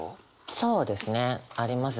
そうですねあります。